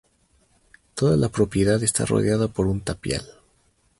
Toda la propiedad está rodeada por un tapial.